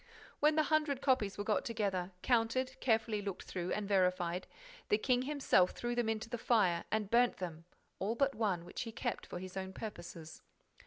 When the hundred copies were got together, counted, carefully looked through and verified, the king himself threw them into the fire and burnt them, all but one, which he kept for his own purposes.